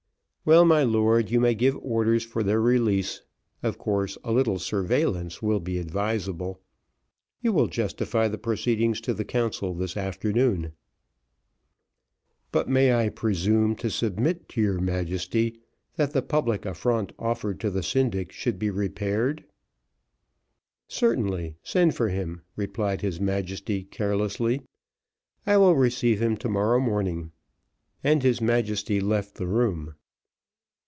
"Well, my lord, you may give orders for their release; of course a little surveillance will be advisable. You will justify the proceedings to the council, this afternoon." "But may I presume to submit to your Majesty, that the public affront offered to the syndic should be repaired." "Certainly send for him," replied his Majesty, carelessly. "I will receive him to morrow morning," and his Majesty left the room.